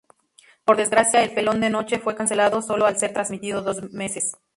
Por desgracia, "El pelón de noche" fue cancelado solo al ser transmitido dos meses.